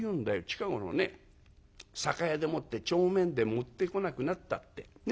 『近頃ね酒屋でもって帳面で持ってこなくなった』って。ね？